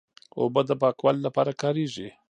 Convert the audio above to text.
اوبه د پاکوالي لپاره کارېږي.